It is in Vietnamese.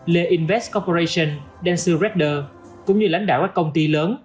lê invest corporation dancer rector cũng như lãnh đạo các công ty lớn